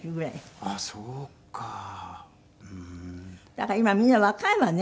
だから今みんな若いわね